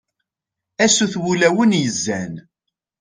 a sut n wulawen yezzan